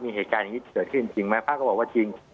มีเหตุการณ์อย่างนี้เกิดขึ้นจริงไหมป้าก็บอกว่าจริง